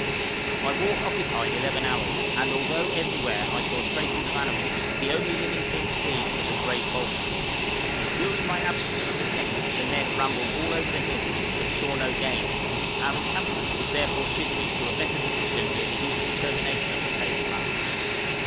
My walk occupied eleven hours, and, although I everywhere saw traces of animals, the only living thing seen was a grey falcon. During my absence from the tent the men rambled all over the hills, but saw no game, our encampment was therefore shifted to a better position near the eastern termination of the table land.